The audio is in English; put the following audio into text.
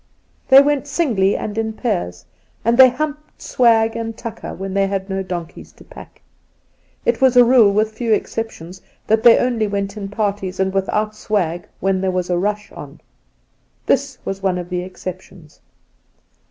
They went singly and in pairs, and they ' humped swag and tucker' when they had no donkeys to pack. It was a rule with few exceptions that they only went in parties and without swag when there was a rush on. This was one of the exceptions.